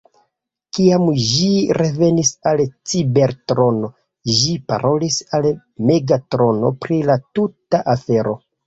Kiam ĝi revenis al Cibertrono, ĝi parolis al Megatrono pri la tuta afero.